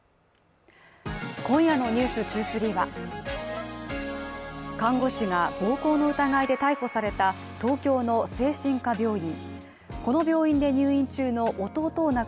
今夜の「ｎｅｗｓ２３」は看護師が暴行の疑いで逮捕された東京の精神科病院